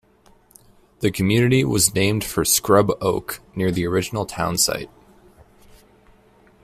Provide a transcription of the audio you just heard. The community was named for scrub oak near the original town site.